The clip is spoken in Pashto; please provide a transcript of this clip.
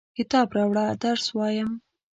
کتاب راوړه ، درس وایم!